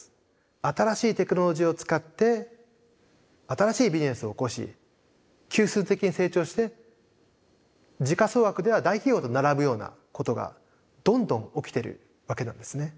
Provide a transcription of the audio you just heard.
新しいテクノロジーを使って新しいビジネスを興し級数的に成長して時価総額では大企業と並ぶようなことがどんどん起きてるわけなんですね。